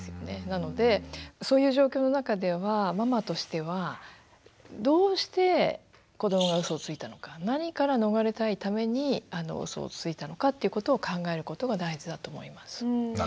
なのでそういう状況の中ではママとしてはどうして子どもがうそをついたのか何から逃れたいためにうそをついたのかということを考えることが大事だと思います。